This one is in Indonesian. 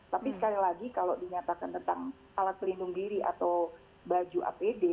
tapi sekali lagi kalau dinyatakan tentang alat pelindung diri atau baju apd